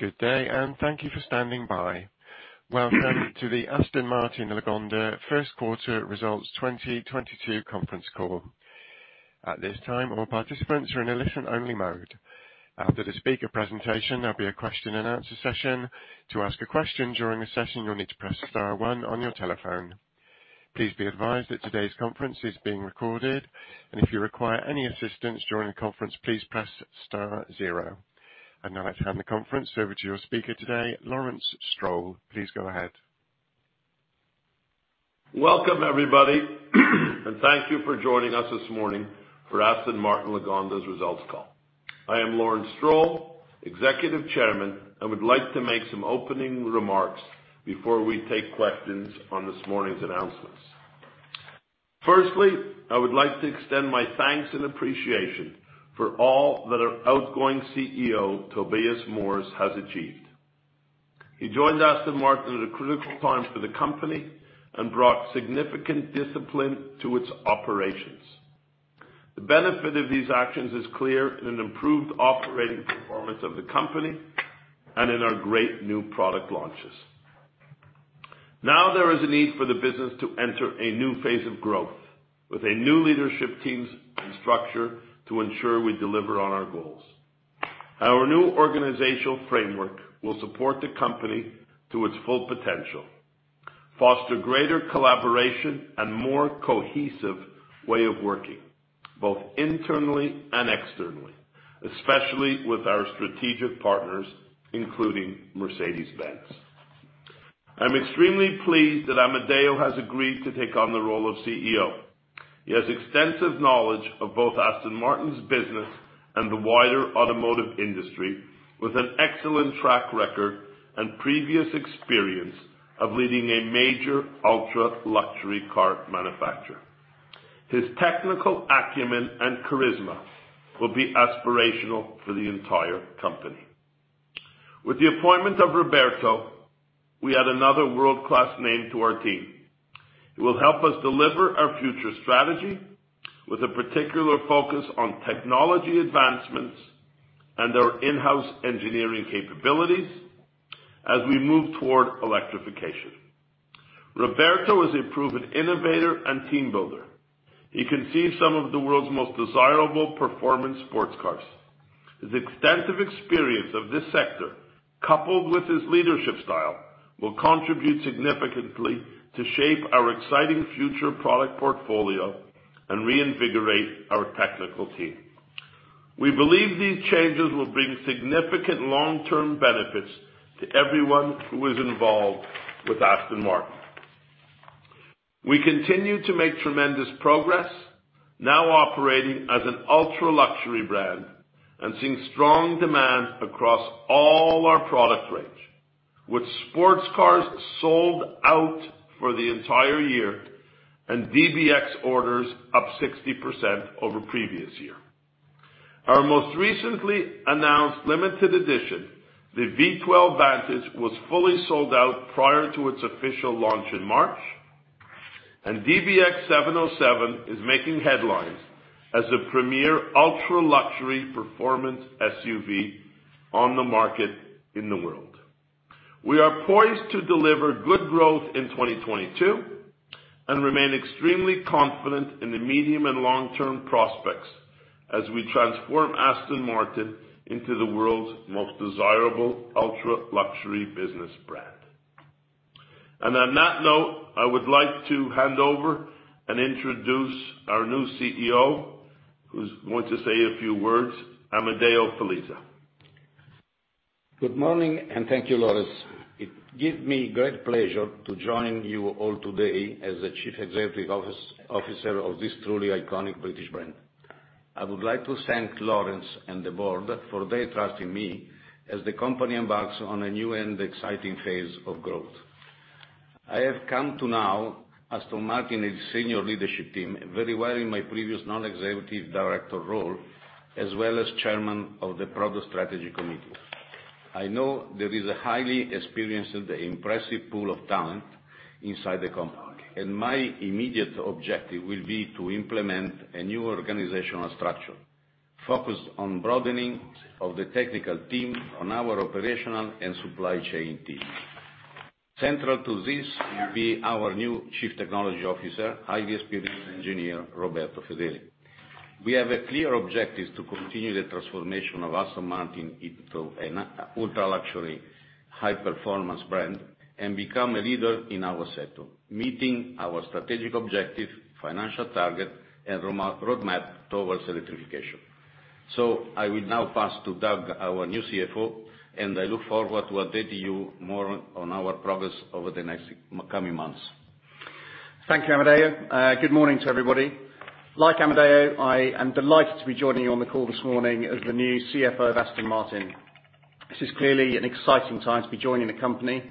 Good day, and thank you for standing by. Welcome to the Aston Martin Lagonda First Quarter Results 2022 Conference Call. At this time, all participants are in a listen only mode. After the speaker presentation, there'll be a question and answer session. To ask a question during the session, you'll need to press star one on your telephone. Please be advised that today's conference is being recorded, and if you require any assistance during the conference, please press star zero. I'd now like to hand the conference over to your speaker today, Lawrence Stroll. Please go ahead. Welcome, everybody, and thank you for joining us this morning for Aston Martin Lagonda's results call. I am Lawrence Stroll, Executive Chairman, and would like to make some opening remarks before we take questions on this morning's announcements. Firstly, I would like to extend my thanks and appreciation for all that our outgoing CEO, Tobias Moers, has achieved. He joined Aston Martin at a critical time for the company and brought significant discipline to its operations. The benefit of these actions is clear in an improved operating performance of the company and in our great new product launches. Now there is a need for the business to enter a new phase of growth with a new leadership teams and structure to ensure we deliver on our goals. Our new organizational framework will support the company to its full potential, foster greater collaboration and more cohesive way of working, both internally and externally, especially with our strategic partners, including Mercedes-Benz. I'm extremely pleased that Amedeo has agreed to take on the role of CEO. He has extensive knowledge of both Aston Martin's business and the wider automotive industry with an excellent track record, and previous experience of leading a major ultra-luxury car manufacturer. His technical acumen and charisma will be aspirational for the entire company. With the appointment of Roberto, we add another world-class name to our team. He will help us deliver our future strategy with a particular focus on technology advancements, and our in-house engineering capabilities as we move toward electrification. Roberto is a proven innovator and team builder. He conceived some of the world's most desirable performance sports cars. His extensive experience of this sector, coupled with his leadership style, will contribute significantly to shape our exciting future product portfolio, and reinvigorate our technical team. We believe these changes will bring significant long-term benefits to everyone who is involved with Aston Martin. We continue to make tremendous progress now operating as an ultra-luxury brand and seeing strong demand across all our product range, with sports cars sold out for the entire year and DBX orders up 60% over previous year. Our most recently announced limited edition, the V12 Vantage, was fully sold out prior to its official launch in March, and DBX707 is making headlines as the premier ultra-luxury performance SUV on the market in the world. We are poised to deliver good growth in 2022 and remain extremely confident in the medium and long-term prospects as we transform Aston Martin into the world's most desirable ultra-luxury business brand. On that note, I would like to hand over and introduce our new CEO, who's going to say a few words, Amedeo Felisa. Good morning, and thank you, Lawrence. It gives me great pleasure to join you all today as the Chief Executive Officer of this truly iconic British brand. I would like to thank Lawrence and the board for their trust in me as the company embarks on a new and exciting phase of growth. I have come to know Aston Martin and its senior leadership team very well in my previous Non-Executive Director role, as well as Chairman of the Product Strategy Committee. I know there is a highly experienced and impressive pool of talent inside the company, and my immediate objective will be to implement a new organizational structure, focused on broadening of the technical team on our operational and supply chain teams. Central to this will be our new Chief Technology Officer, highly experienced engineer, Roberto Fedeli. We have a clear objective to continue the transformation of Aston Martin into an ultra-luxury high-performance brand and become a leader in our sector, meeting our strategic objective, financial target, and roadmap towards electrification. I will now pass to Doug, our new CFO, and I look forward to updating you more on our progress over the next coming months. Thank you, Amedeo. Good morning to everybody. Like Amedeo, I am delighted to be joining you on the call this morning as the new CFO of Aston Martin. This is clearly an exciting time to be joining the company.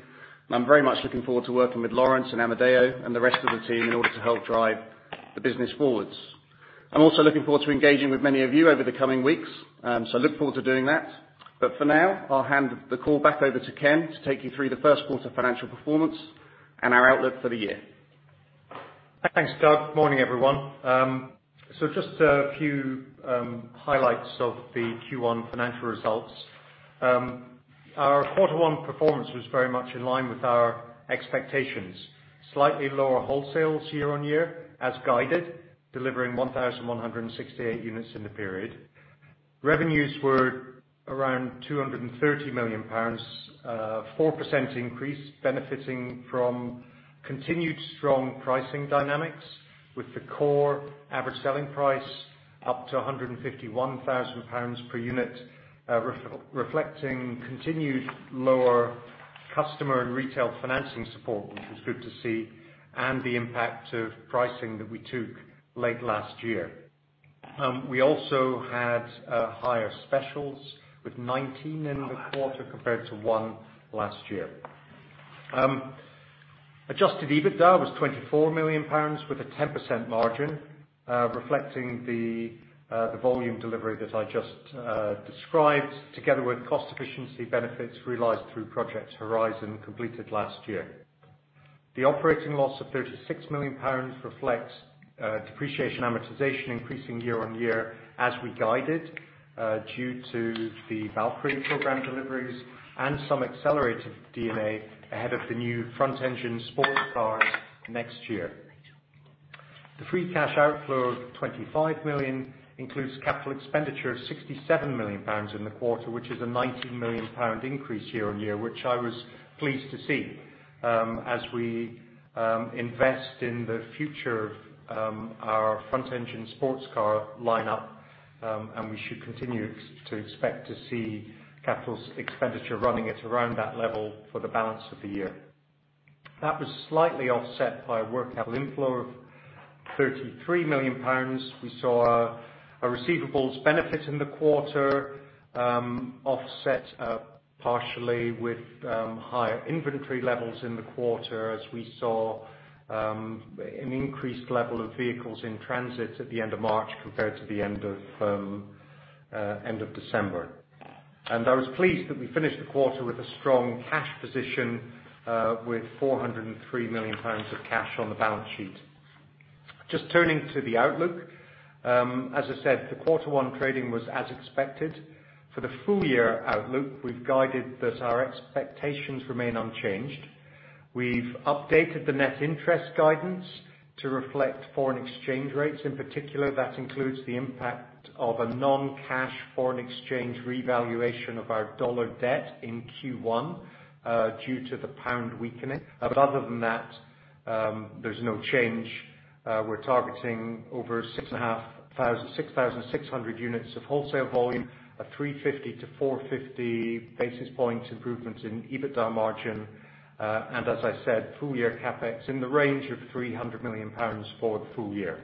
I'm very much looking forward to working with Lawrence and Amedeo and the rest of the team in order to help drive the business forwards. I'm also looking forward to engaging with many of you over the coming weeks. So look forward to doing that. For now, I'll hand the call back over to Ken to take you through the first quarter financial performance. Our outlook for the year. Thanks, Doug. Morning, everyone. Just a few highlights of the Q1 financial results. Our quarter one performance was very much in line with our expectations. Slightly lower wholesales year-on-year as guided, delivering 1,168 units in the period. Revenues were around 230 million pounds, 4% increase benefiting from continued strong pricing dynamics, with the core average selling price up to 151,000 pounds per unit, reflecting continued lower customer and retail financing support, which was good to see, and the impact of pricing that we took late last year. We also had higher specials with 19 in the quarter compared to one last year. Adjusted EBITDA was 24 million pounds with a 10% margin, reflecting the volume delivery that I just described together with cost efficiency benefits realized through Project Horizon completed last year. The operating loss of 36 million pounds reflects depreciation and amortization increasing year-on-year as we guided, due to the Valkyrie program deliveries and some accelerated D&A ahead of the new front-engine sports cars next year. The free cash outflow of 25 million includes capital expenditure of 67 million pounds in the quarter, which is a 19 million pound increase year-on-year, which I was pleased to see, as we invest in the future of our front-engine sports car lineup, and we should continue to expect to see capital expenditure running at around that level for the balance of the year. That was slightly offset by working capital inflow of GBP 33 million. We saw a receivables benefit in the quarter, offset partially with higher inventory levels in the quarter as we saw an increased level of vehicles in transit at the end of March compared to the end of December. I was pleased that we finished the quarter with a strong cash position with 403 million pounds of cash on the balance sheet. Just turning to the outlook, as I said, the quarter one trading was as expected. For the full-year outlook, we've guided that our expectations remain unchanged. We've updated the net interest guidance to reflect foreign exchange rates. In particular, that includes the impact of a non-cash foreign exchange revaluation of our dollar debt in Q1 due to the pound weakening. Other than that, there's no change. We're targeting over 6,600 units of wholesale volume, a 350-450 basis points improvement in EBITDA margin, and as I said, full-year CapEx in the range of 300 million pounds for the full-year.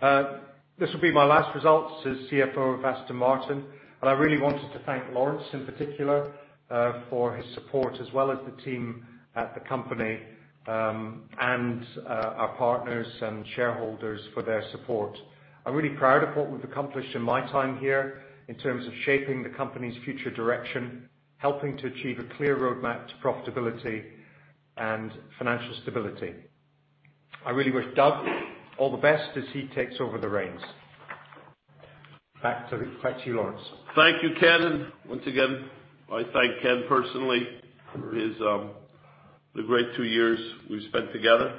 This will be my last results as CFO of Aston Martin, and I really wanted to thank Lawrence in particular for his support, as well as the team at the company, and our partners and shareholders for their support. I'm really proud of what we've accomplished in my time here in terms of shaping the company's future direction, helping to achieve a clear roadmap to profitability and financial stability. I really wish Doug all the best as he takes over the reins. Back to you, Lawrence. Thank you, Kenneth. Once again, I thank Ken personally for his, the great two years we've spent together.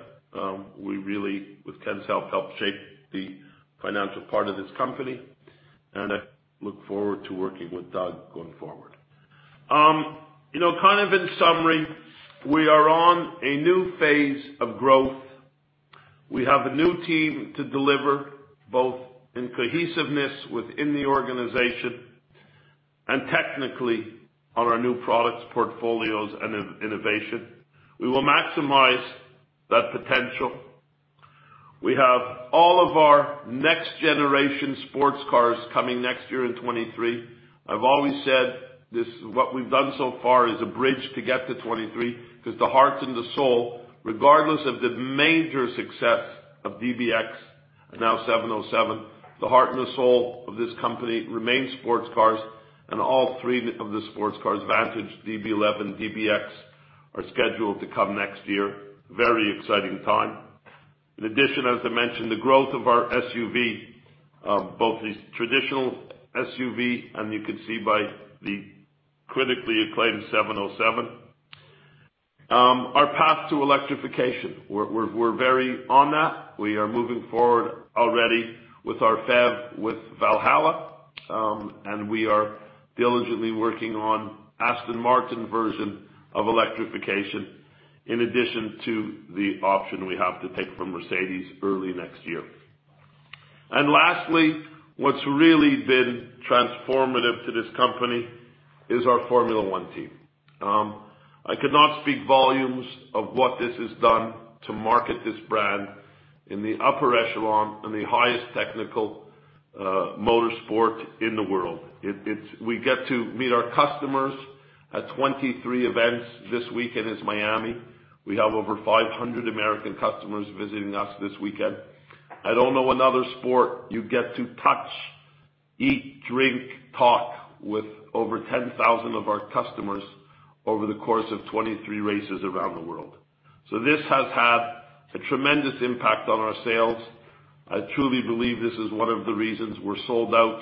We really, with Ken's help, helped shape the financial part of this company, and I look forward to working with Doug going forward. You know, kind of in summary, we are on a new phase of growth. We have a new team to deliver both in cohesiveness within the organization, and technically on our new products, portfolios, and innovation. We will maximize that potential. We have all of our next generation sports cars coming next year in 2023. I've always said this, what we've done so far is a bridge to get to 2023, because the heart and the soul, regardless of the major success of DBX and now 707, the heart and the soul of this company remains sports cars, and all three of the sports cars, Vantage, DB11, DBX, are scheduled to come next year. Very exciting time. In addition, as I mentioned, the growth of our SUV, both the traditional SUV, and you can see by the critically acclaimed 707. Our path to electrification, we're very on that. We are moving forward already with our PHEV with Valhalla, and we are diligently working on Aston Martin version of electrification in addition to the option we have to take from Mercedes early next year. Lastly, what's really been transformative to this company is our Formula One team. I could not speak volumes of what this has done to market this brand in the upper echelon and the highest technical motorsport in the world. We get to meet our customers at 23 events. This weekend is Miami. We have over 500 American customers visiting us this weekend. I don't know another sport you get to touch, eat, drink, talk with over 10,000 of our customers over the course of 23 races around the world. This has had a tremendous impact on our sales. I truly believe this is one of the reasons we're sold out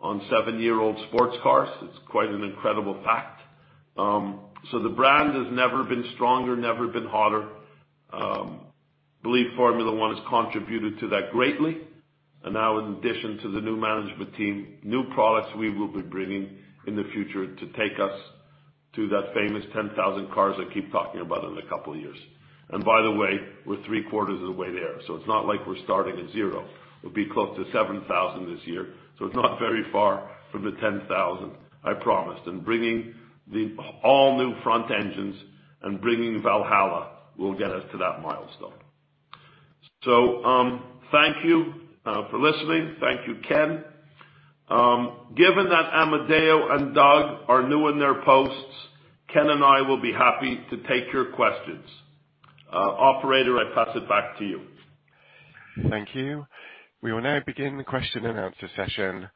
on 7-year-old sports cars. It's quite an incredible fact. The brand has never been stronger, never been hotter. I believe Formula One has contributed to that greatly. Now in addition to the new management team, new products we will be bringing in the future to take us to that famous 10,000 cars I keep talking about in a couple of years. By the way, we're three-quarters of the way there, so it's not like we're starting at zero. We'll be close to 7,000 this year, so it's not very far from the 10,000 I promised. Bringing the all-new front engines and bringing Valhalla will get us to that milestone. Thank you for listening. Thank you, Ken. Given that Amedeo and Doug are new in their posts, Ken and I will be happy to take your questions. Operator, I pass it back to you. Thank you. We will now begin the question and answer session.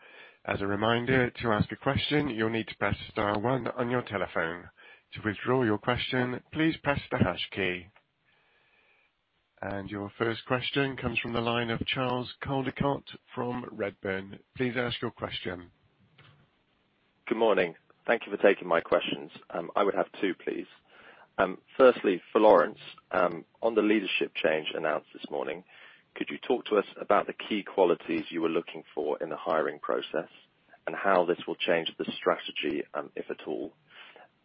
As a reminder, to ask a question, you'll need to press star one on your telephone. To withdraw your question, please press the hash key. Your first question comes from the line of Charles Coldicott from Redburn. Please ask your question. Good morning. Thank you for taking my questions. I would have two, please. Firstly, for Lawrence, on the leadership change announced this morning, could you talk to us about the key qualities you were looking for in the hiring process, and how this will change the strategy, if at all?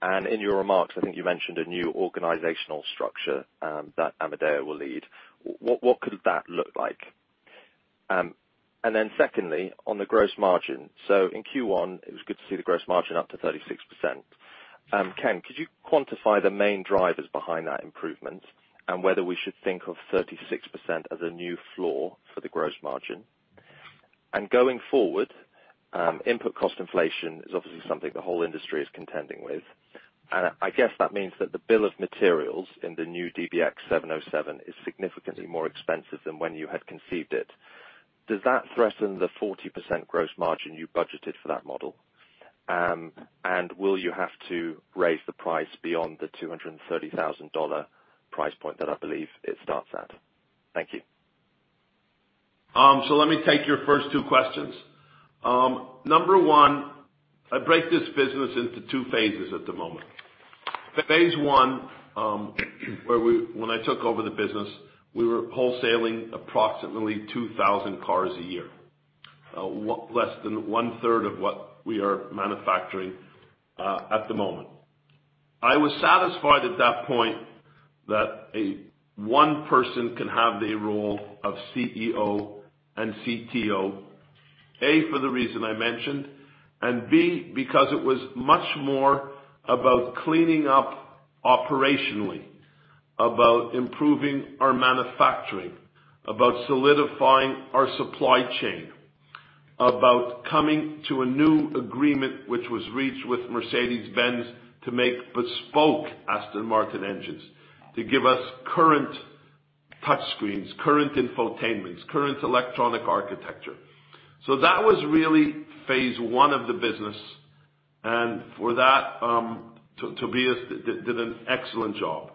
In your remarks, I think you mentioned a new organizational structure that Amedeo will lead. What could that look like? Then secondly, on the gross margin. In Q1, it was good to see the gross margin up to 36%. Ken, could you quantify the main drivers behind that improvement and whether we should think of 36% as a new floor for the gross margin? Going forward, input cost inflation is obviously something the whole industry is contending with. I guess that means that the bill of materials in the new DBX707 is significantly more expensive than when you had conceived it. Does that threaten the 40% gross margin you budgeted for that model? Will you have to raise the price beyond the $230,000 price point that I believe it starts at? Thank you. Let me take your first two questions. Number one, I break this business into two phases at the moment. Phase one, when I took over the business, we were wholesaling approximately 2,000 cars a year, less than one-third of what we are manufacturing at the moment. I was satisfied at that point that one person can have the role of CEO and CTO. A, for the reason I mentioned, and B, because it was much more about cleaning up operationally, about improving our manufacturing, about solidifying our supply chain, about coming to a new agreement, which was reached with Mercedes-Benz to make bespoke Aston Martin engines, to give us current touch screens, current infotainments, current electronic architecture. That was really phase one of the business, and for that, Tobias did an excellent job.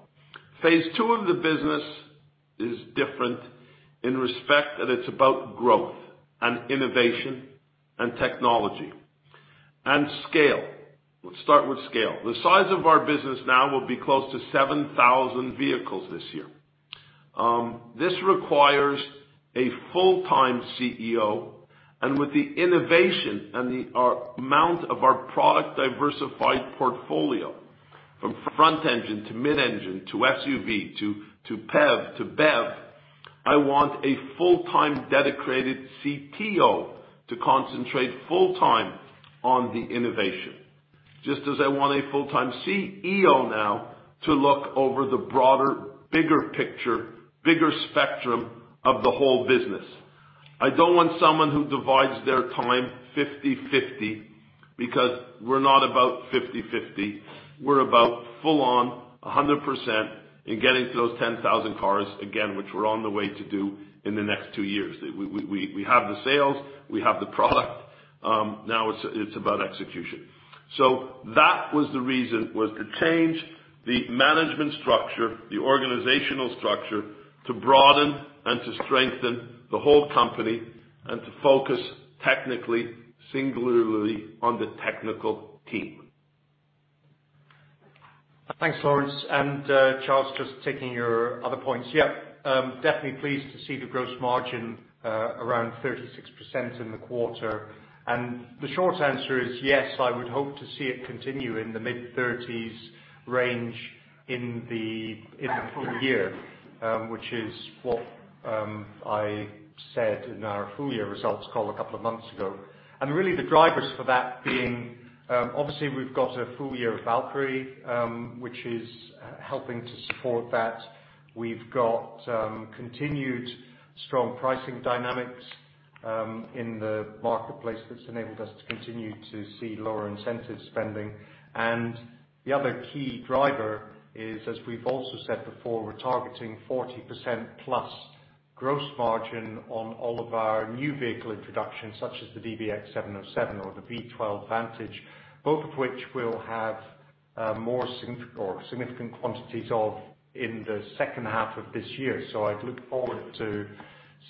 Phase two of the business is different in respect that it's about growth and innovation and technology and scale. Let's start with scale. The size of our business now will be close to 7,000 vehicles this year. This requires a full-time CEO, and with the innovation and the amount of our product-diversified portfolio, from front engine to mid-engine to SUV to PHEV to BEV, I want a full-time dedicated CTO to concentrate full-time on the innovation. Just as I want a full-time CEO now to look over the broader, bigger picture, bigger spectrum of the whole business. I don't want someone who divides their time 50-50, because we're not about 50-50. We're about full on 100% in getting to those 10,000 cars, again, which we're on the way to do in the next 2 years. We have the sales, we have the product, now it's about execution. That was the reason to change the management structure, the organizational structure, to broaden and to strengthen the whole company and to focus technically, singularly on the technical team. Thanks, Lawrence. Charles, just taking your other points. Yeah, definitely pleased to see the gross margin around 36% in the quarter. The short answer is yes, I would hope to see it continue in the mid-30s range in the full year, which is what I said in our full-year results call a couple of months ago. Really the drivers for that being, obviously we've got a full-year of Valkyrie, which is helping to support that. We've got continued strong pricing dynamics in the marketplace that's enabled us to continue to see lower incentive spending. The other key driver is, as we've also said before, we're targeting 40% plus- Gross margin on all of our new vehicle introductions, such as the DBX707 or the V12 Vantage, both of which will have more significant quantities in the second half of this year. I'd look forward to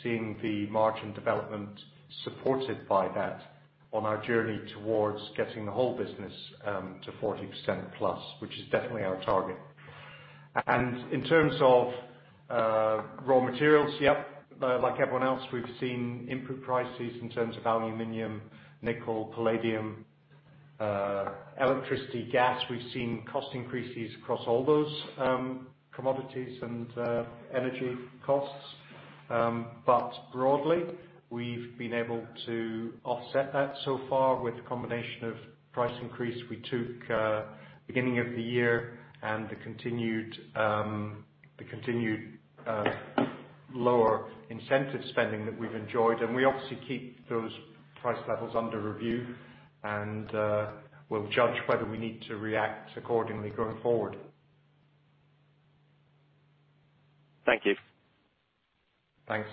seeing the margin development supported by that on our journey towards getting the whole business to 40% plus, which is definitely our target. In terms of raw materials, yep, like everyone else, we've seen input prices in terms of aluminum, nickel, palladium, electricity, gas. We've seen cost increases across all those commodities and energy costs. Broadly, we've been able to offset that so far with a combination of price increase we took beginning of the year and the continued lower incentive spending that we've enjoyed. We obviously keep those price levels under review, and we'll judge whether we need to react accordingly going forward. Thank you. Thanks.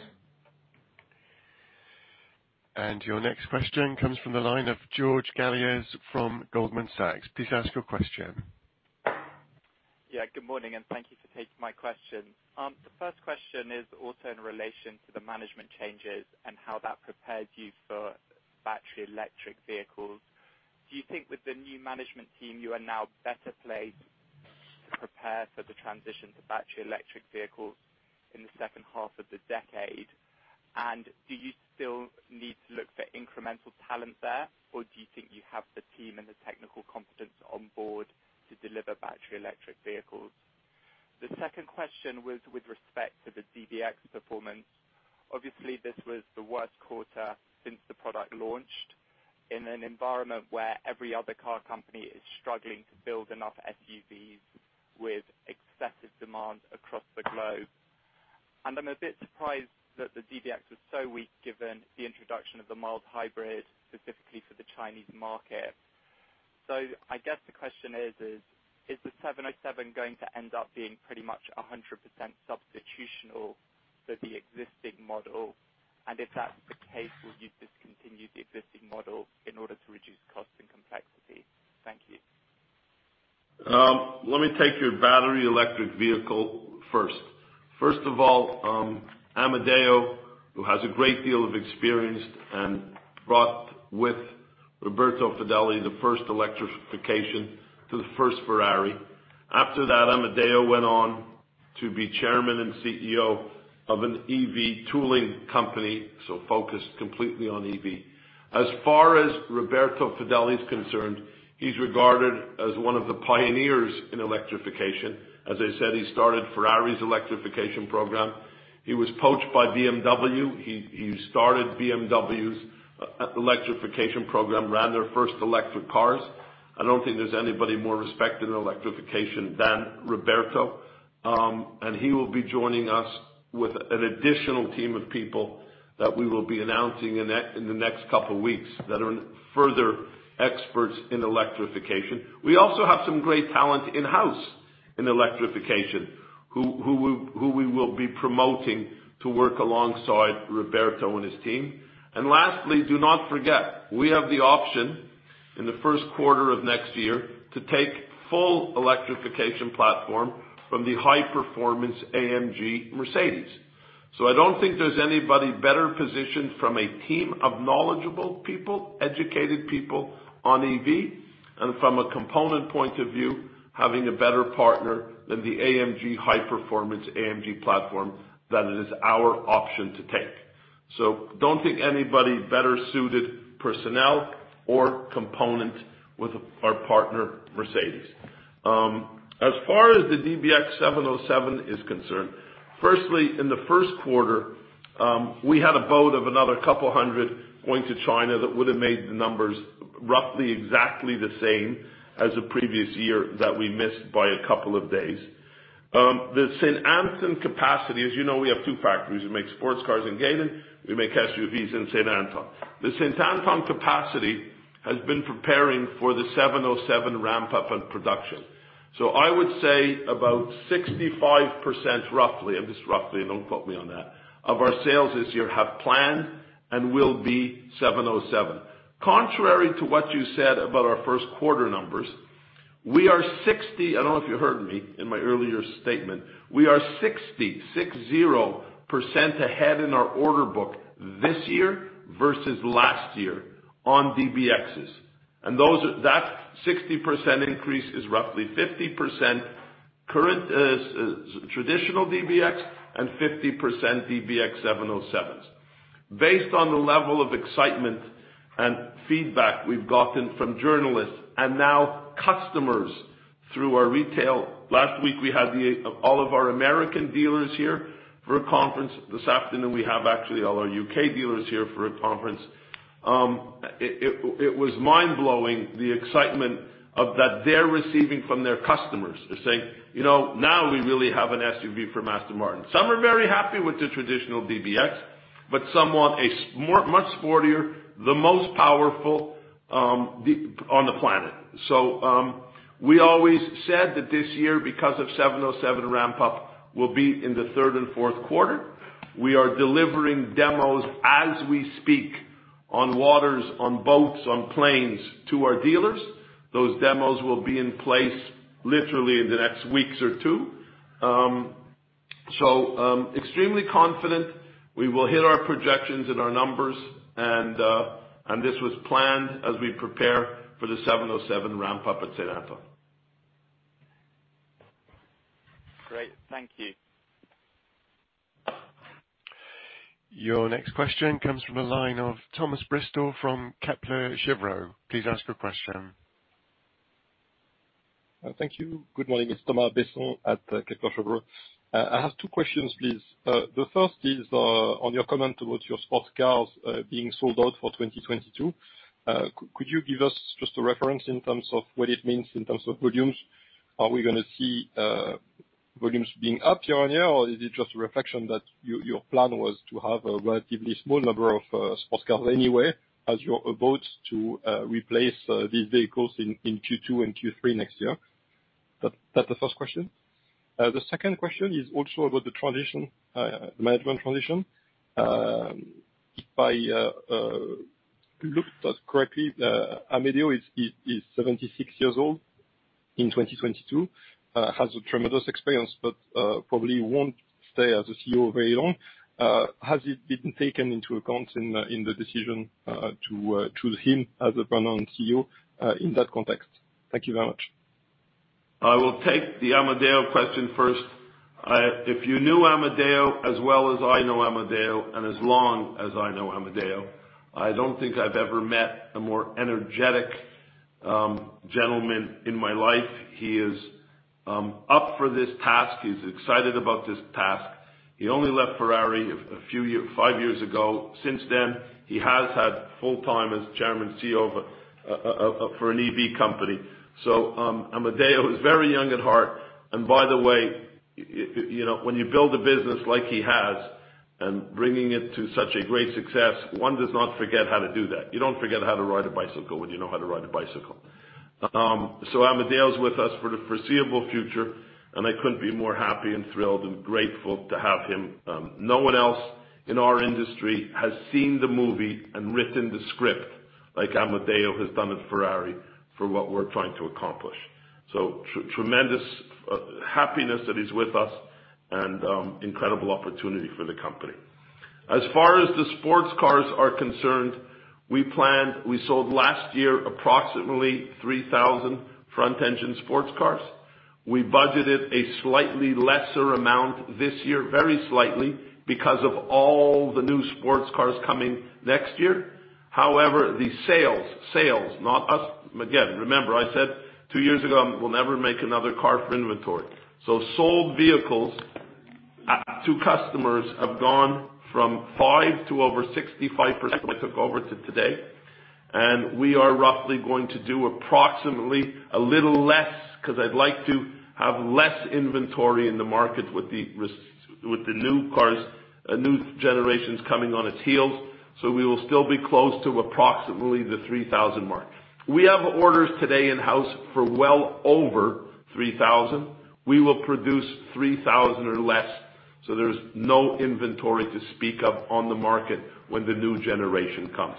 Your next question comes from the line of George Galliers from Goldman Sachs. Please ask your question. Good morning, and thank you for taking my question. The first question is also in relation to the management changes and how that prepares you for battery electric vehicles. Do you think with the new management team, you are now better placed to prepare for the transition to battery electric vehicles in the second half of the decade? And do you still need to look for incremental talent there, or do you think you have the team and the technical competence on board to deliver battery electric vehicles? The second question was with respect to the DBX performance. Obviously, this was the worst quarter since the product launched in an environment where every other car company is struggling to build enough SUVs with excessive demand across the globe. I'm a bit surprised that the DBX was so weak given the introduction of the mild hybrid, specifically for the Chinese market. I guess the question is the 707 going to end up being pretty much 100% substitutional for the existing model? If that's the case, will you discontinue the existing model in order to reduce cost and complexity? Thank you. Let me take your battery electric vehicle first. First of all, Amedeo, who has a great deal of experience and brought with Roberto Fedeli, the first electrification to the first Ferrari. After that, Amedeo went on to be chairman and CEO of an EV tooling company, so focused completely on EV. As far as Roberto Fedeli's concerned, he's regarded as one of the pioneers in electrification. As I said, he started Ferrari's electrification program. He was poached by BMW. He started BMW's electrification program, ran their first electric cars. I don't think there's anybody more respected in electrification than Roberto. He will be joining us with an additional team of people that we will be announcing in the next couple weeks that are further experts in electrification. We also have some great talent in-house in electrification, who we will be promoting to work alongside Roberto and his team. Lastly, do not forget, we have the option in the first quarter of next year to take full electrification platform from the high-performance Mercedes-AMG Mercedes. I don't think there's anybody better positioned from a team of knowledgeable people, educated people on EV and from a component point of view, having a better partner than the Mercedes-AMG high-performance, Mercedes-AMG platform than it is our option to take. Don't think anybody better suited personnel or component with our partner, Mercedes. As far as the DBX707 is concerned, firstly, in the first quarter, we had a boatload of another couple hundred going to China that would have made the numbers roughly exactly the same as the previous year that we missed by a couple of days. The St Athan capacity, as you know, we have two factories. We make sports cars in Gaydon, we make SUVs in St Athan. The St Athan capacity has been preparing for the 707 ramp up in production. I would say about 65%, roughly, and don't quote me on that, of our sales this year are planned and will be 707. Contrary to what you said about our first quarter numbers, I don't know if you heard me in my earlier statement, we are 60% ahead in our order book this year versus last year on DBXs. That 60% increase is roughly 50% current, traditional DBX and 50% DBX707s. Based on the level of excitement and feedback we've gotten from journalists and now customers through our retail. Last week, we had all of our American dealers here for a conference. This afternoon, we have actually all our U.K. dealers here for a conference. It was mind-blowing, the excitement that they're receiving from their customers. They're saying, "You know, now we really have an SUV from Aston Martin." Some are very happy with the traditional DBX. But somewhat more, much sportier, the most powerful on the planet. We always said that this year, because of 707 ramp up, will be in the third and fourth quarter. We are delivering demos as we speak, on waters, on boats, on planes to our dealers. Those demos will be in place literally in the next weeks or two. Extremely confident we will hit our projections and our numbers and this was planned as we prepare for the 707 ramp up at St Athan. Great. Thank you. Your next question comes from the line of Thomas Besson from Kepler Cheuvreux. Please ask your question. Thank you. Good morning. It's Thomas Besson at Kepler Cheuvreux. I have two questions, please. The first is on your comment toward your sports cars being sold out for 2022. Could you give us just a reference in terms of what it means in terms of volumes? Are we gonna see volumes being up year-on-year, or is it just a reflection that your plan was to have a relatively small number of sports cars anyway as you're about to replace these vehicles in Q2 and Q3 next year? That's the first question. The second question is also about the transition, management transition. If I've looked at it correctly, Amedeo is 76 years old in 2022. Has a tremendous experience, but probably won't stay as a CEO very long. Has it been taken into account in the decision to choose him as a permanent CEO in that context? Thank you very much. I will take the Amedeo question first. If you knew Amedeo as well as I know Amedeo, and as long as I know Amedeo, I don't think I've ever met a more energetic gentleman in my life. He is up for this task. He's excited about this task. He only left Ferrari five years ago. Since then, he has had full-time as chairman and CEO for an EV company. Amedeo is very young at heart, and by the way, you know, when you build a business like he has, and bringing it to such a great success, one does not forget how to do that. You don't forget how to ride a bicycle when you know how to ride a bicycle. Amedeo's with us for the foreseeable future, and I couldn't be more happy and thrilled and grateful to have him. No one else in our industry has seen the movie and written the script like Amedeo has done at Ferrari for what we're trying to accomplish. Tremendous happiness that he's with us and incredible opportunity for the company. As far as the sports cars are concerned, we planned, we sold last year approximately 3,000 front-engine sports cars. We budgeted a slightly lesser amount this year, very slightly, because of all the new sports cars coming next year. However, the sales, not us, again, remember I said two years ago, we'll never make another car for inventory. Sold vehicles to customers have gone from 5% to over 65% when I took over to today, and we are roughly going to do approximately a little less, 'cause I'd like to have less inventory in the market with the new cars, a new generations coming on its heels. We will still be close to approximately the 3,000 mark. We have orders today in-house for well over 3,000. We will produce 3,000 or less, so there's no inventory to speak of on the market when the new generation comes.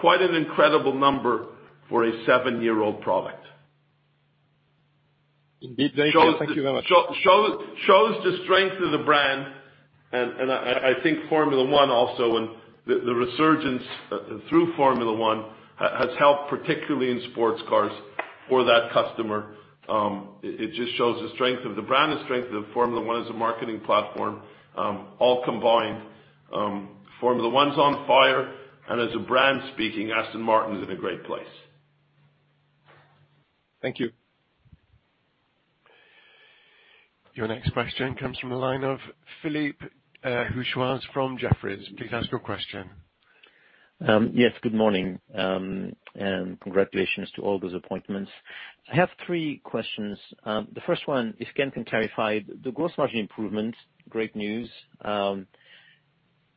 Quite an incredible number for a seven-year-old product. Indeed. Thank you. Thank you very much. Shows the strength of the brand and I think Formula One also and the resurgence through Formula One has helped, particularly in sports cars for that customer. It just shows the strength of the brand, the strength of Formula One as a marketing platform, all combined. Formula One's on fire, and as a brand speaking, Aston Martin's in a great place. Thank you. Your next question comes from the line of Philippe Houchois from Jefferies. Please ask your question. Yes, good morning, and congratulations to all those appointments. I have three questions. The first one, if Ken can clarify, the gross margin improvement, great news.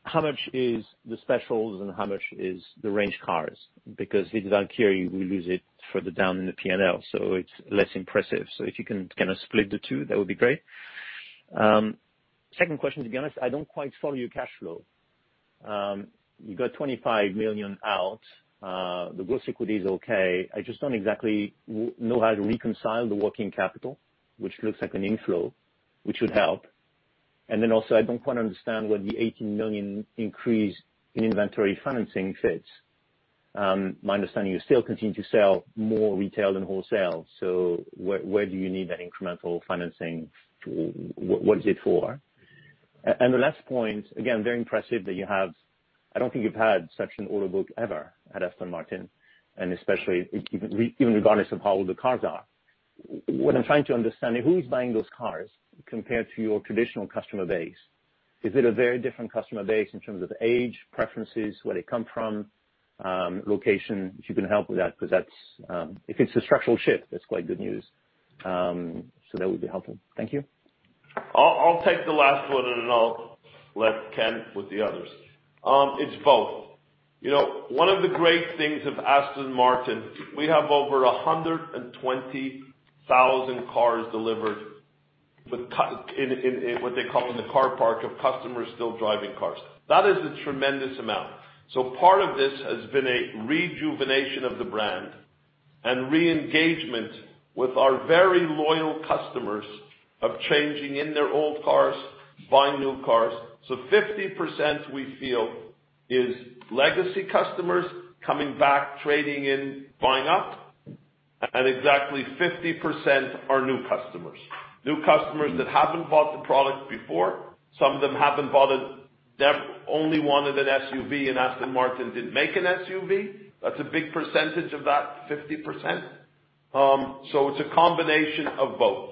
How much is the specials and how much is the range cars? Because the Valkyrie, we lose it further down in the P&L, so it's less impressive. If you can kinda split the two, that would be great. Second question, to be honest, I don't quite follow your cash flow. You got 25 million out. The gross equity is okay. I just don't exactly know how to reconcile the working capital, which looks like an inflow, which would help. I don't quite understand where the 18 million increase in inventory financing fits. My understanding, you still continue to sell more retail than wholesale, so where do you need that incremental financing? What is it for? The last point, again, very impressive that you have. I don't think you've had such an order book ever at Aston Martin, and especially even regardless of how old the cars are. What I'm trying to understand is who is buying those cars, compared to your traditional customer base? Is it a very different customer base in terms of age, preferences, where they come from, location? If you can help with that, 'cause that's, if it's a structural shift, that's quite good news. That would be helpful. Thank you. I'll take the last one, and then I'll let Ken with the others. It's both. You know, one of the great things of Aston Martin, we have over 120,000 cars delivered within what they call the car park of customers still driving cars. That is a tremendous amount. Part of this has been a rejuvenation of the brand and re-engagement with our very loyal customers trading in their old cars, buying new cars. 50% we feel is legacy customers coming back, trading in, buying up, and exactly 50% are new customers. New customers that haven't bought the product before. Some of them haven't bought, they only wanted an SUV, and Aston Martin didn't make an SUV. That's a big percentage of that 50%. It's a combination of both.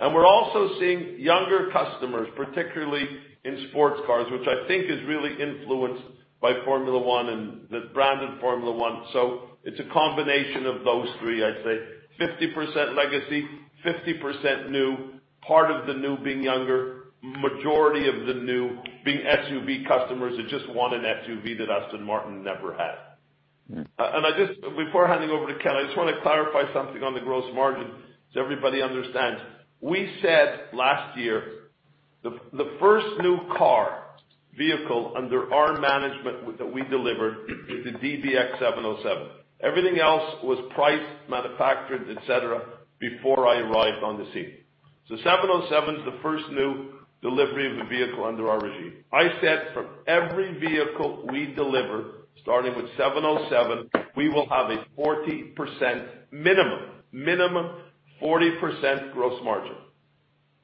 We're also seeing younger customers, particularly in sports cars, which I think is really influenced by Formula 1 and the brand of Formula 1. It's a combination of those three, I'd say. 50% legacy, 50% new, part of the new being younger, majority of the new being SUV customers that just want an SUV that Aston Martin never had. Mm. I just, before handing over to Ken, I just wanna clarify something on the gross margin so everybody understands. We said last year the first new car vehicle under our management that we delivered was the DBX707. Everything else was priced, manufactured, et cetera, before I arrived on the scene. 707's the first new delivery of a vehicle under our regime. I said for every vehicle we deliver, starting with seven oh seven, we will have a 40% minimum 40% gross margin.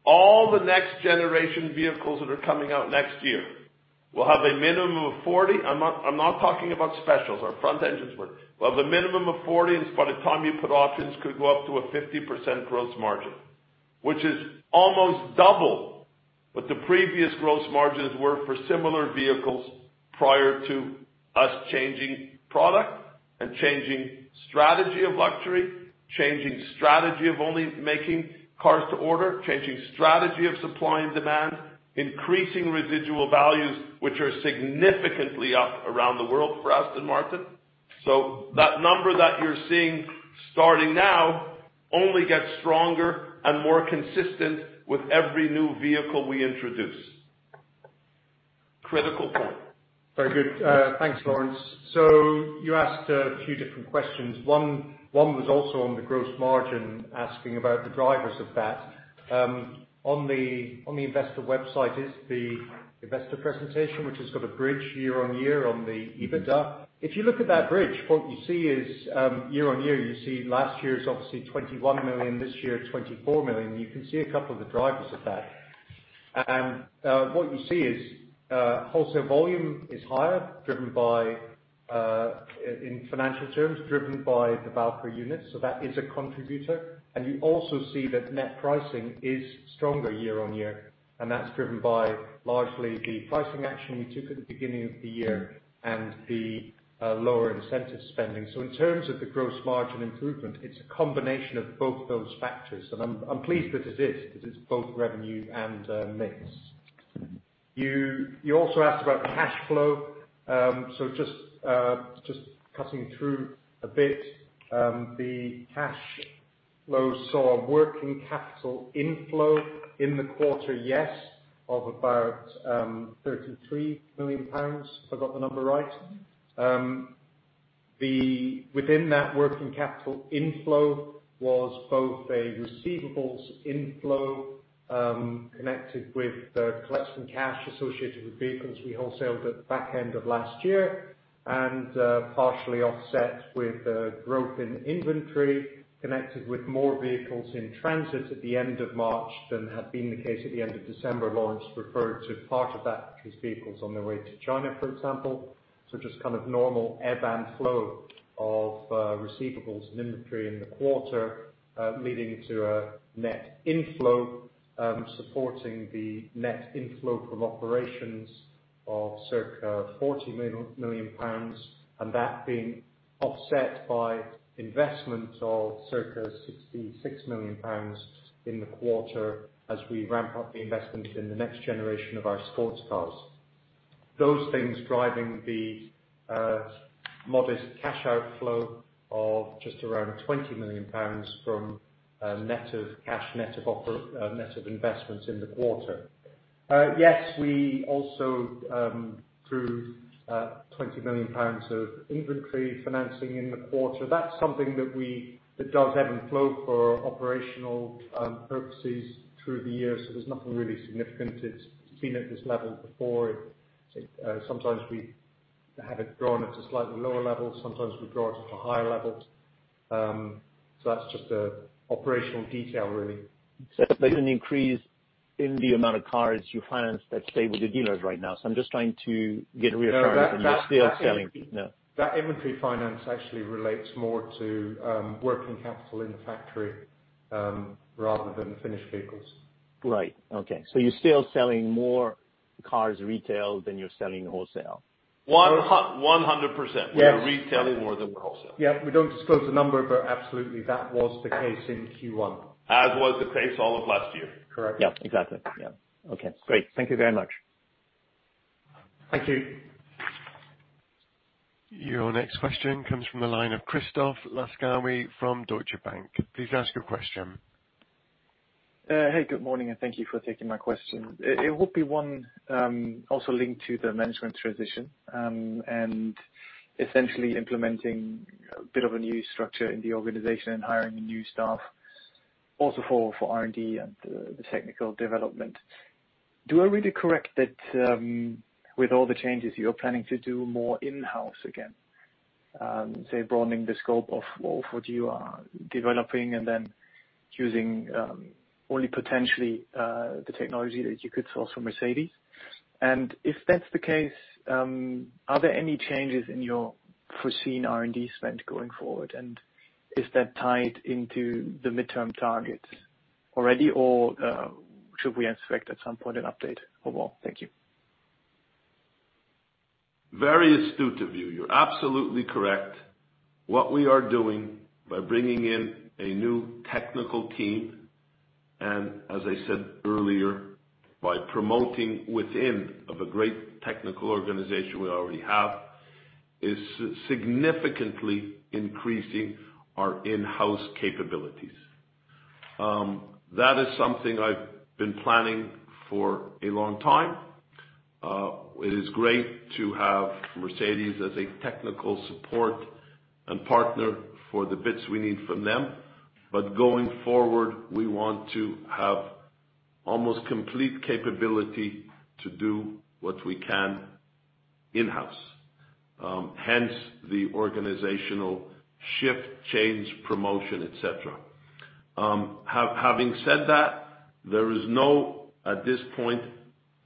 All the next generation vehicles that are coming out next year will have a minimum of 40%. I'm not talking about specials or front engines work. We'll have a minimum of 40, and by the time you put options, could go up to a 50% gross margin, which is almost double what the previous gross margins were for similar vehicles prior to us changing product and changing strategy of luxury, changing strategy of only making cars to order, changing strategy of supply and demand, increasing residual values, which are significantly up around the world for Aston Martin. That number that you're seeing starting now only gets stronger, and more consistent with every new vehicle we introduce. Critical point. Very good. Thanks, Lawrence. You asked a few different questions. One was also on the gross margin, asking about the drivers of that. On the investor website is the investor presentation, which has got a year-on-year bridge on the EBITDA. If you look at that bridge, what you see is, year-on-year, you see last year is obviously 21 million, this year 24 million. You can see a couple of the drivers of that. What you see is, wholesale volume is higher, driven by, in financial terms, driven by the value per unit, so that is a contributor. You also see that net pricing is stronger year-on-year, and that's driven largely by the pricing action we took at the beginning of the year and the lower incentive spending. In terms of the gross margin improvement, it's a combination of both those factors. I'm pleased that it is, that it's both revenue and mix. You also asked about cash flow. Just cutting through a bit, the cash flow saw working capital inflow in the quarter, yes, of about 33 million pounds, if I got the number right. Within that working capital inflow was both a receivables inflow connected with the collection cash associated with vehicles we wholesaled at the back end of last year, and partially offset with a growth in inventory connected with more vehicles in transit at the end of March than had been the case at the end of December. Lawrence referred to part of that, which is vehicles on their way to China, for example. Just kind of normal ebb and flow of receivables and inventory in the quarter, leading to a net inflow, supporting the net inflow from operations of circa 40 million pounds, and that being offset by investments of circa 66 million pounds in the quarter as we ramp up the investment in the next generation of our sports cars. Those things driving the modest cash outflow of just around 20 million pounds from net cash, net of investments in the quarter. Yes, we also drew 20 million pounds of inventory financing in the quarter. That's something that does ebb and flow for operational purposes through the year, so there's nothing really significant. It's been at this level before. It sometimes we have it drawn at a slightly lower level, sometimes we draw it at a higher level. So that's just an operational detail really. There's an increase in the amount of cars you financed that stay with the dealers right now, so I'm just trying to get reassurance. No, that. that you're still selling. No. That inventory finance actually relates more to working capital in the factory rather than finished vehicles. Right. Okay. You're still selling more More cars retail than you're selling wholesale. One hun- one hundred percent. Yes. We are retailing more than wholesale. Yeah, we don't disclose the number, but absolutely that was the case in Q1. As was the case all of last year. Correct. Yeah, exactly. Yeah. Okay, great. Thank you very much. Thank you. Your next question comes from the line of Christoph Laskawi from Deutsche Bank. Please ask your question. Hey, good morning, and thank you for taking my question. It will be one also linked to the management transition and essentially implementing a bit of a new structure in the organization and hiring new staff also for R&D and the technical development. Do I read it correct that with all the changes you're planning to do more in-house again, say broadening the scope of what you are developing and then using only potentially the technology that you could source from Mercedes? And if that's the case, are there any changes in your foreseen R&D spend going forward, and is that tied into the midterm targets already, or should we expect at some point an update overall? Thank you. Very astute of you. You're absolutely correct. What we are doing by bringing in a new technical team, and as I said earlier, by promoting within of a great technical organization we already have, is significantly increasing our in-house capabilities. That is something I've been planning for a long time. It is great to have Mercedes as a technical support and partner for the bits we need from them, but going forward, we want to have almost complete capability to do what we can in-house. Hence the organizational shift, change, promotion, et cetera. Having said that, there is no, at this point,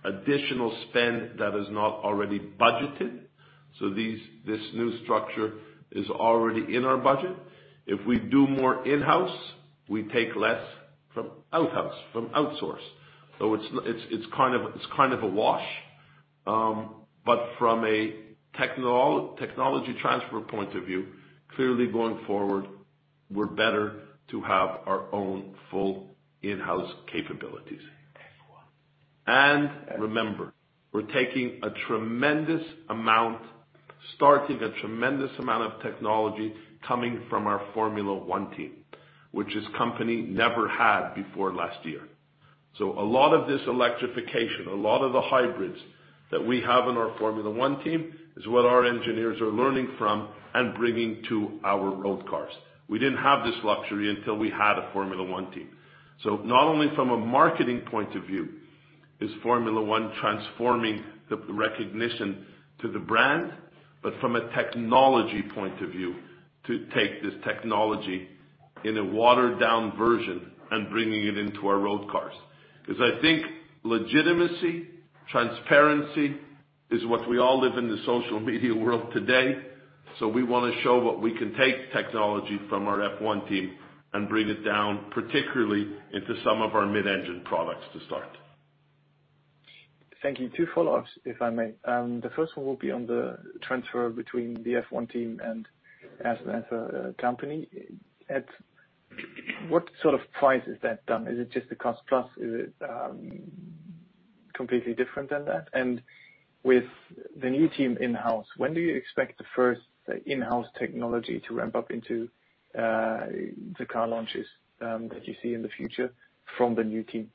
additional spend that is not already budgeted, so these, this new structure is already in our budget. If we do more in-house, we take less from outsource. It's kind of a wash. From a technology transfer point of view, clearly going forward, we're better to have our own full in-house capabilities. Remember, we're taking a tremendous amount of technology coming from our Formula One team, which this company never had before last year. A lot of this electrification, a lot of the hybrids that we have in our Formula One team is what our engineers are learning from and bringing to our road cars. We didn't have this luxury until we had a Formula One team. Not only from a marketing point of view is Formula One transforming the recognition to the brand, but from a technology point of view, to take this technology in a watered-down version and bringing it into our road cars. 'Cause I think legitimacy, transparency is what we all live in the social media world today, so we wanna show what we can take technology from our F1 team and bring it down, particularly into some of our mid-engine products to start. Thank you. Two follow-ups, if I may. The first one will be on the transfer between the F1 team and Aston Martin company. At what sort of price is that done? Is it just the cost plus? Is it completely different than that? With the new team in-house, when do you expect the first in-house technology to ramp up into the car launches that you see in the future from the new team?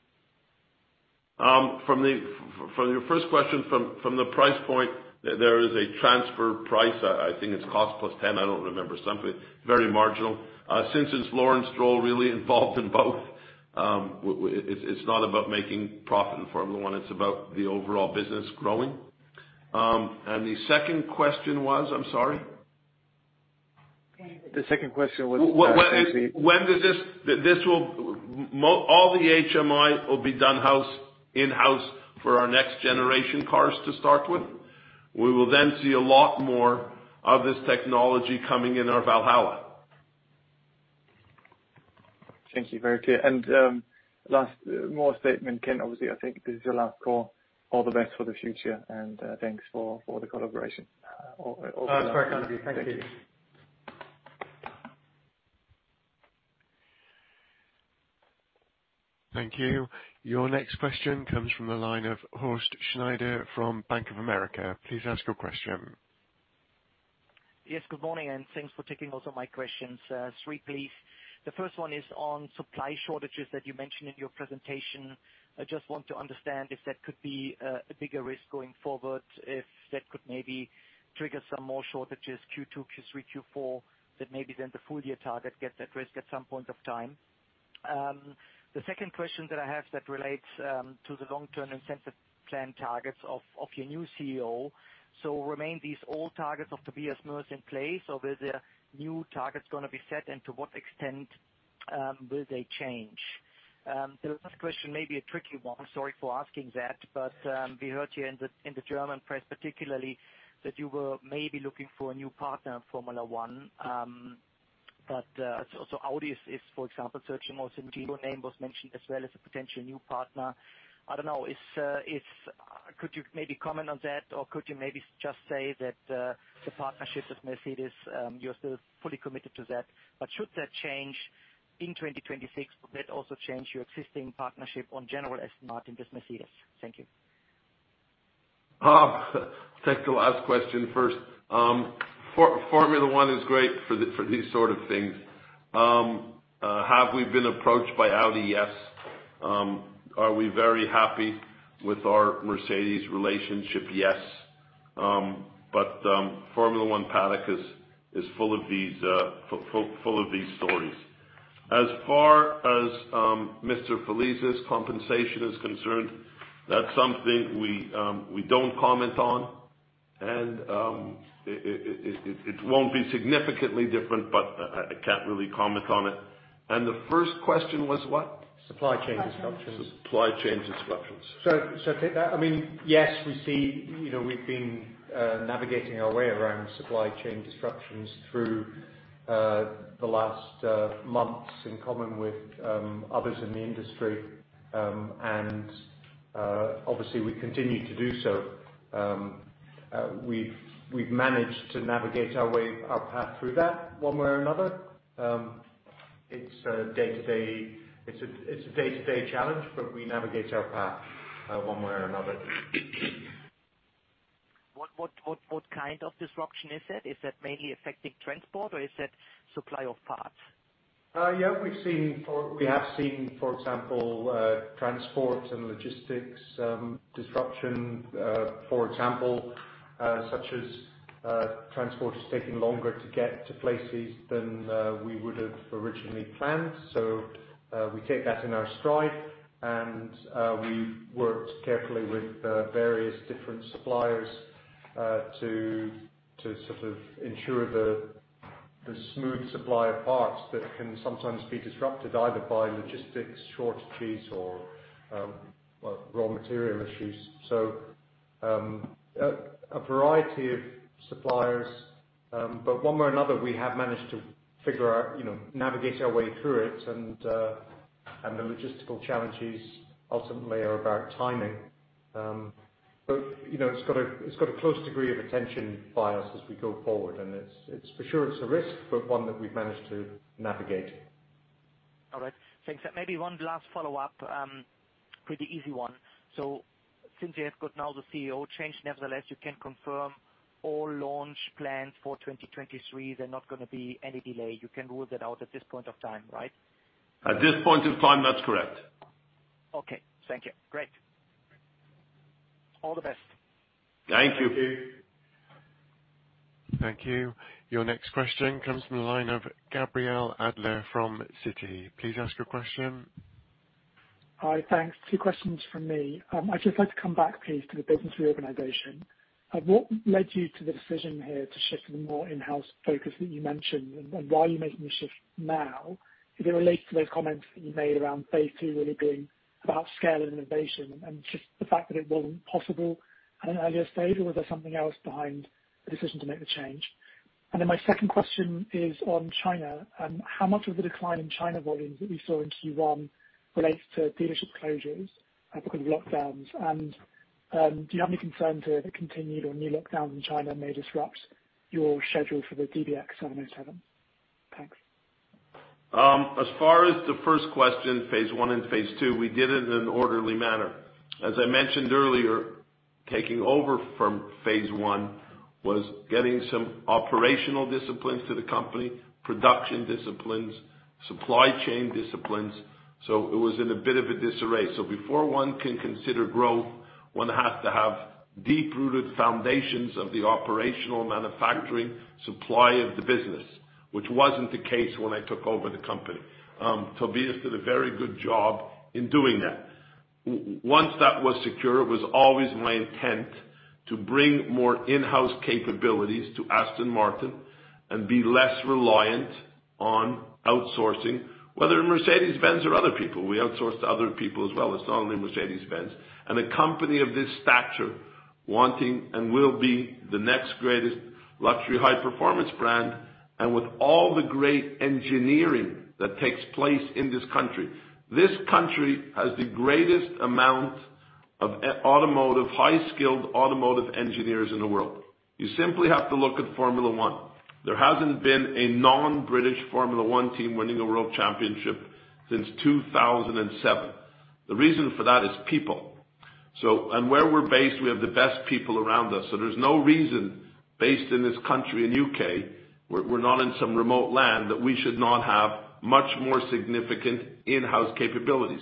From your first question, from the price point, there is a transfer price. I think it's cost plus 10, I don't remember, something very marginal. Since it's Lawrence Stroll really involved in both, it's not about making profit in Formula One, it's about the overall business growing. The second question was, I'm sorry? The second question was. All the HMI will be done in-house for our next-generation cars to start with. We will then see a lot more of this technology coming in our Valhalla. Thank you. Very clear. Last, more a statement than, obviously, I think this is your last call. All the best for the future and thanks for the collaboration. Oh, it's great having you. Thank you. Thank you. Thank you. Your next question comes from the line of Horst Schneider from Bank of America. Please ask your question. Yes, good morning, and thanks for taking also my questions, three please. The first one is on supply shortages that you mentioned in your presentation. I just want to understand if that could be a bigger risk going forward, if that could maybe trigger some more shortages Q2, Q3, Q4, that maybe then the full =-year target gets at risk at some point of time. The second question that I have that relates to the long-term incentive plan targets of your new CEO. Remain these old targets of Tobias Moers in place, or will there new targets gonna be set, and to what extent will they change? The last question may be a tricky one, sorry for asking that, but we heard here in the German press particularly that you were maybe looking for a new partner in Formula One. Audi is, for example, searching also, and Volkswagen name was mentioned as well as a potential new partner. I don't know. Could you maybe comment on that? Or could you maybe just say that the partnership with Mercedes, you're still fully committed to that. Should that change in 2026, would that also change your existing partnership in general, Aston Martin with Mercedes? Thank you. Take the last question first. Formula 1 is great for these sort of things. Have we been approached by Audi? Yes. Are we very happy with our Mercedes relationship? Yes. Formula 1 paddock is full of these stories. As far as Amedeo Felisa's compensation is concerned, that's something we don't comment on, and it won't be significantly different, but I can't really comment on it. The first question was what? Supply chain disruptions. Supply chain. Supply chain disruptions. I mean, yes, we see, you know, we've been navigating our way around supply chain disruptions through the last months in common with others in the industry. Obviously we continue to do so. We've managed to navigate our way, our path through that one way or another. It's a day-to-day challenge, but we navigate our path one way or another. What kind of disruption is that? Is that mainly affecting transport or is that supply of parts? We have seen, for example, transport and logistics disruption, such as transport is taking longer to get to places than we would have originally planned. We take that in our stride and we worked carefully with various different suppliers to sort of ensure the smooth supply of parts that can sometimes be disrupted, either by logistics shortages or, well, raw material issues. A variety of suppliers, but one way or another, we have managed to figure out, you know, navigate our way through it and the logistical challenges ultimately are about timing. you know, it's got a close degree of attention by us as we go forward, and it's for sure a risk, but one that we've managed to navigate. All right. Thanks. Maybe one last follow-up, pretty easy one. Since you have got now the CEO change, nevertheless, you can confirm all launch plans for 2023, they're not gonna be any delay. You can rule that out at this point of time, right? At this point in time, that's correct. Okay. Thank you. Great. All the best. Thank you. Thank you. Thank you. Your next question comes from the line of Gabriel Adler of Citi. Please ask your question. Hi. Thanks. Two questions from me. I'd just like to come back, please, to the business reorganization. What led you to the decision here to shift to the more in-house focus that you mentioned, and why are you making the shift now? Does it relate to those comments that you made around phase two really being about scale and innovation and just the fact that it wasn't possible at an earlier stage, or was there something else behind the decision to make the change? Then my second question is on China. How much of the decline in China volumes that we saw in Q1 relates to dealership closures because of lockdowns? Do you have any concern that the continued or new lockdowns in China may disrupt your schedule for the DBX707? Thanks. As far as the first question, phase one and phase two, we did it in an orderly manner. As I mentioned earlier, taking over from phase one was getting some operational disciplines to the company, production disciplines, supply chain disciplines. It was in a bit of a disarray. Before one can consider growth, one has to have deep-rooted foundations of the operational manufacturing supply of the business, which wasn't the case when I took over the company. Tobias did a very good job in doing that. Once that was secure, it was always my intent to bring more in-house capabilities to Aston Martin and be less reliant on outsourcing, whether Mercedes-Benz or other people. We outsource to other people as well. It's not only Mercedes-Benz. A company of this stature wanting and will be the next greatest luxury high performance brand, and with all the great engineering that takes place in this country. This country has the greatest amount of high-skilled automotive engineers in the world. You simply have to look at Formula 1. There hasn't been a non-British Formula 1 team winning a world championship since 2007. The reason for that is people. Where we're based, we have the best people around us. There's no reason based in this country, in U.K., we're not in some remote land, that we should not have much more significant in-house capabilities.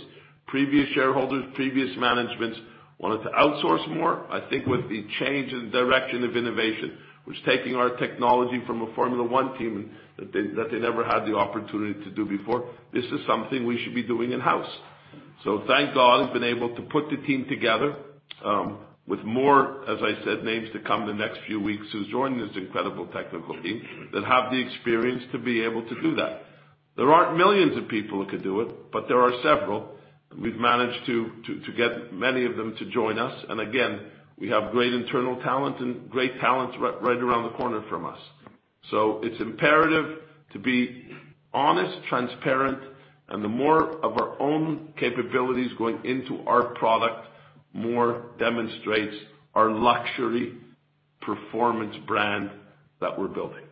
Previous shareholders, previous managements wanted to outsource more. I think with the change in direction of innovation, which taking our technology from a Formula One team that they never had the opportunity to do before, this is something we should be doing in-house. Thank God I've been able to put the team together, with more, as I said, names to come the next few weeks, who's joined this incredible technical team that have the experience to be able to do that. There aren't millions of people who could do it, but there are several, and we've managed to get many of them to join us. Again, we have great internal talent and great talents right around the corner from us. It's imperative to be honest, transparent, and the more of our own capabilities going into our product, more demonstrates our luxury performance brand that we're building.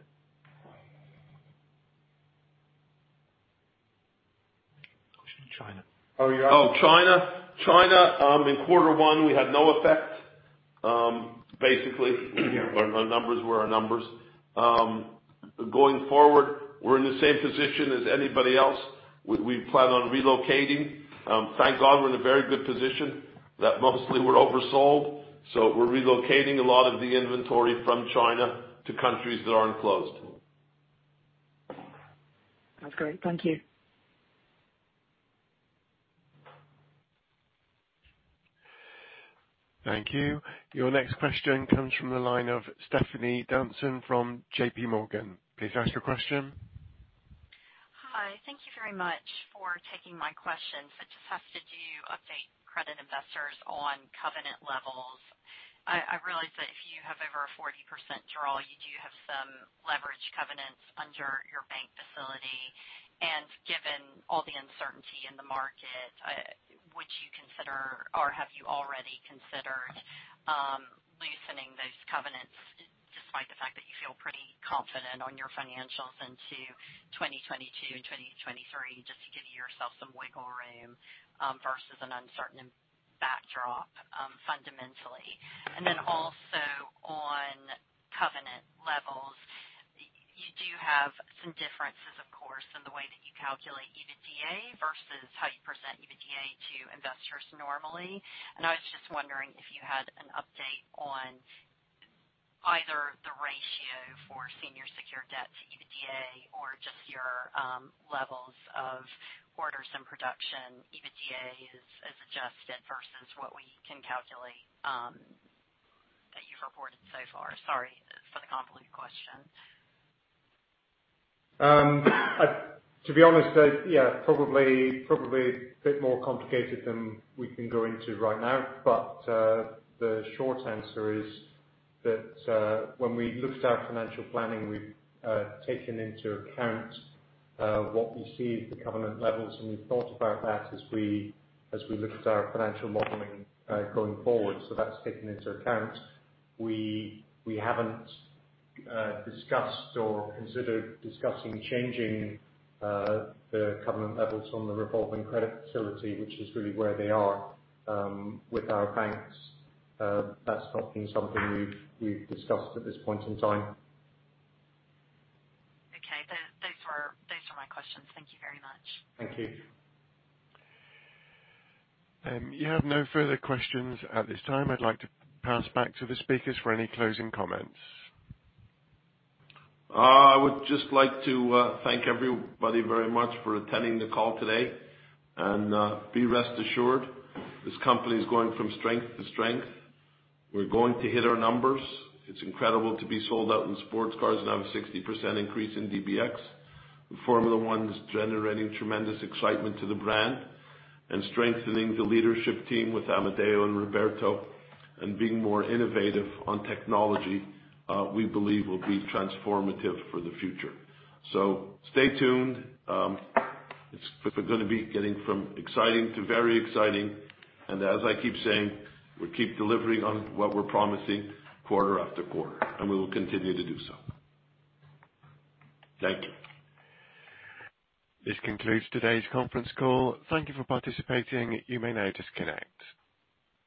Question China. Oh, yeah. Oh, China. China, in quarter one, we had no effect. Basically. Yeah Our numbers were our numbers. Going forward, we're in the same position as anybody else. We plan on relocating. Thank God we're in a very good position that mostly we're oversold. We're relocating a lot of the inventory from China to countries that aren't closed. That's great. Thank you. Thank you. Your next question comes from the line of Stephanie Dotson from JP Morgan. Please ask your question. Hi. Thank you very much for taking my question. I just asked, did you update credit investors on covenant levels? I realize that if you have over a 40% draw, you do have some leverage covenants under your bank facility. Given all the uncertainty in the market, would you consider or have you already considered loosening those covenants despite the fact that you feel pretty confident on your financials into 2022 and 2023, just to give yourself some wiggle room versus an uncertain backdrop fundamentally? Then also on covenant levels, you do have some differences, of course, in the way that you calculate EBITDA versus how you present EBITDA to investors normally. I was just wondering if you had an update on either the ratio for senior secured debts, EBITDA, or just your levels of orders and production, EBITDA as adjusted versus what we can calculate that you've reported so far. Sorry for the convoluted question. To be honest, yeah, probably a bit more complicated than we can go into right now. The short answer is that, when we looked at our financial planning, we've taken into account what we see at the covenant levels, and we've thought about that as we looked at our financial modeling going forward. That's taken into account. We haven't discussed or considered discussing changing the covenant levels on the revolving credit facility, which is really where they are with our banks. That's not been something we've discussed at this point in time. Okay. Those were my questions. Thank you very much. Thank you. You have no further questions at this time. I'd like to pass back to the speakers for any closing comments. I would just like to thank everybody very much for attending the call today. Be rest assured this company is going from strength-to-strength. We're going to hit our numbers. It's incredible to be sold out in sports cars and have a 60% increase in DBX. Formula One is generating tremendous excitement to the brand. Strengthening the leadership team with Amedeo and Roberto and being more innovative on technology, we believe will be transformative for the future. Stay tuned. It's gonna be getting from exciting to very exciting. As I keep saying, we keep delivering on what we're promising quarter after quarter, and we will continue to do so. Thank you. This concludes today's conference call. Thank you for participating. You may now disconnect.